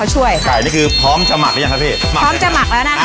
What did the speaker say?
ช่วยค่ะไก่นี่คือพร้อมจะหมักตันยังคะพี่พร้อมจะหมักแล้วนะคะ